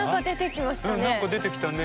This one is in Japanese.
何か出てきましたね。